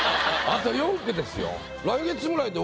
あと４句ですよ。